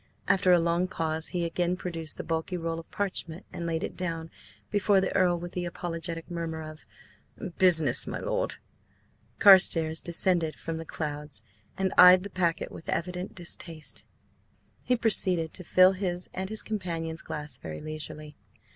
After a long pause he again produced the bulky roll of parchment and laid it down before the Earl with the apologetic murmur of: "Business, my lord!" Carstares descended from the clouds and eyed the packet with evident distaste. He proceeded to fill his and his companion's glass very leisurely.